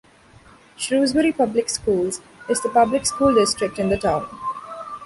Shrewsbury Public Schools is the public school district in the town.